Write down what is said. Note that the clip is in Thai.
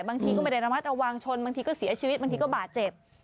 บางทีก็ไม่ได้ระมัดระวังชนบางทีก็เสียชีวิตบางทีก็บาดเจ็บ